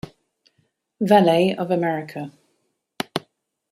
Valet of America.